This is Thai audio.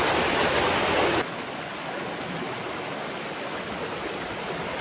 เมื่อเวลาอันดับสุดท้ายจะมีเวลาอันดับสุดท้ายมากกว่า